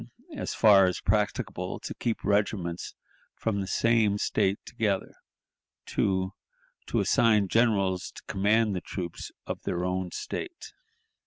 As far as practicable, to keep regiments from the same State together; 2. To assign generals to command the troops of their own State.